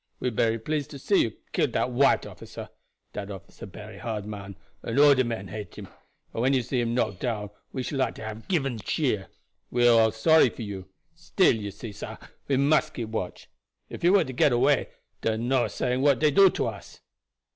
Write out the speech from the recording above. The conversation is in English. We bery pleased to see you kill dat white officer. Dat officer bery hard man and all de men hate him, and when you knock him down we should like to hab given cheer. We all sorry for you; still you see, sah, we must keep watch. If you were to get away, dar no saying what dey do to us."